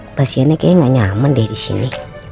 mbak siana kayaknya gak nyaman deh di sini